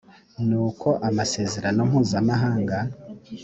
n uko amasezerano mpuzamahanga